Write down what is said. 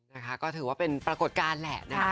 นะคะก็ถือว่าเป็นปรากฏการณ์แหละนะคะ